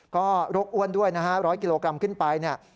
ก็รกอ้วนด้วยนะฮะ๑๐๐กิโลกรัมขึ้นไป